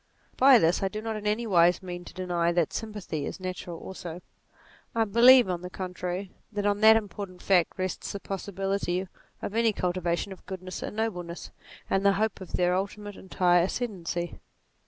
By this I do not in any wise mean to deny that sympathy is natural also ; I believe on the contrary that on that important fact rests the possibility of any cultivation of goodness and noble ness, and the hope of their ultimate entire ascendancy.